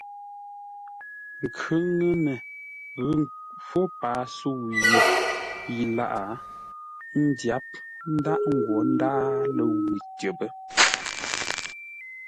Nkhʉŋənə ghʉ fó paa sə̌u yé yi lâʼ, ńdyáp ńdaghʼ ńgwó ńdǎa ləwʉ̂ tyəpə́.